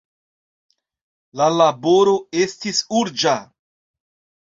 La laboro estis urĝa.